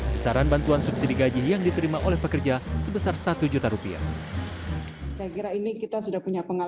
besaran bantuan subsidi gaji yang diterima oleh pekerja sebesar satu juta rupiah